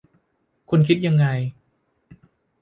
คุณคิดยังไง